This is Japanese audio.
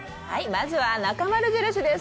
まずは「なかまる印」です。